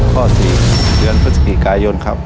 ข้อ๔เดือนพฤศจิกายนครับ